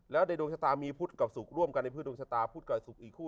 แล้วในดวงชะตามีพุทธกับสุขร่วมกันในพืชดวงชะตาพุทธกับสุขอีกคู่